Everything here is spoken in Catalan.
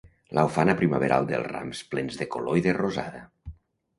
La ufana primaveral dels rams plens de color i de rosada;